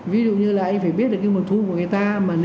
ví dụ như phải biết được mật thu của người ta